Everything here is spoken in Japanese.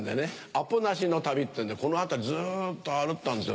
アポなしの旅っていうんでこの辺りずっと歩いたんです。